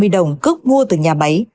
ba trăm năm mươi đồng cước mua từ nhà hàng